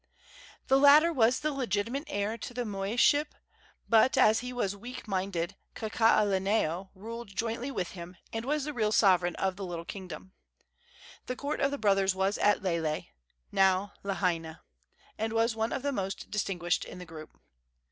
The latter was the legitimate heir to the moiship, but, as he was weak minded, Kakaalaneo ruled jointly with him and was the real sovereign of the little kingdom. The court of the brothers was at Lele (now Lahaina), and was one of the most distinguished in the group.